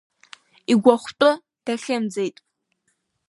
Игәахәтәы дахьымӡеит.